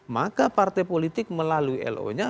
maka partai politik melalui lo nya